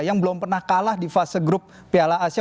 yang belum pernah kalah di fase grup piala asia